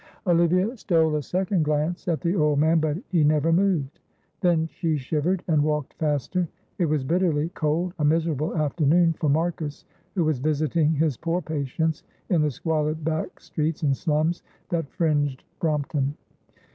Olivia stole a second glance at the old man, but he never moved; then she shivered, and walked faster. It was bitterly cold, a miserable afternoon for Marcus, who was visiting his poor patients in the squalid back streets and slums that fringed Brompton.